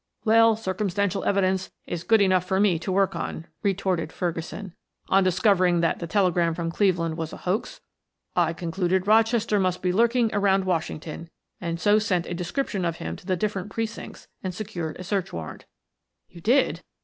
"Well, circumstantial evidence is good enough for me to work on," retorted Ferguson. "On discovering that the telegram from Cleveland was a hoax, I concluded Rochester might be lurking around Washington and so sent a description of him to the different precincts and secured a search warrant." "You did?"